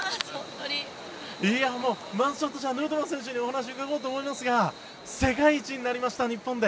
じゃあ、まずはヌートバー選手にお話を伺いたいと思いますが世界一になりました、日本で。